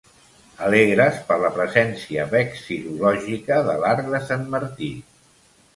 Alegres per la presència vexil·lològica de l'arc de sant Martí.